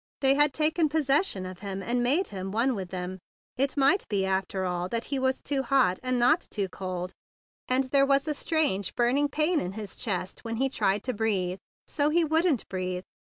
They had taken possession of him, and made him one with them. It might be, after all, that he was too hot and not too cold; and there was a strange burning pain in his chest when he tried to breathe, so he wouldn't breathe.